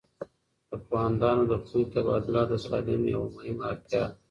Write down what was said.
د پوهاندانو د پوهې تبادله د تعلیم یوه مهمه اړتیا ده.